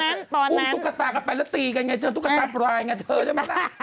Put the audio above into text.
อุ้มตุ๊กตากันไปแล้วตีกันไงเจอตุ๊กตาปลายไงเธอใช่ไหมล่ะ